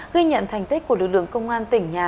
ghi nhận thành tích của lực lượng công an tỉnh nhà